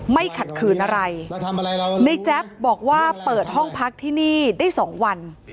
ไม่ขัดคืนอะไรบอกว่าเปิดห้องพักที่นี่ได้สองวัน